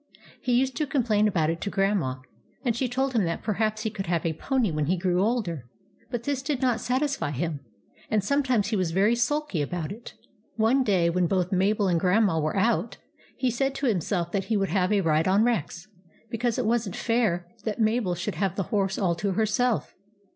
He used to complain about it to Grandma, and she told him that perhaps he could have a pony when he grew older. But this did not sat isfy him, and sometimes he was very sulky about it all. One day, when both Mabel and Grandma were out, he said to himself that he would have a ride on Rex, because it was n't fair that Mabel should have the horse all to herself.